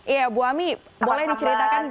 iya bu ami boleh diceritakan